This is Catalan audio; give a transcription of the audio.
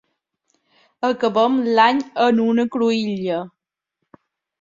Acabem l’any en una cruïlla.